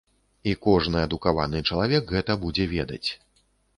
І кожны адукаваны чалавек гэта будзе ведаць.